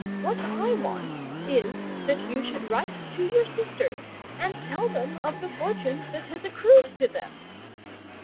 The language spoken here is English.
What I want is, that you should write to your sisters and tell them of the fortune that has accrued to them."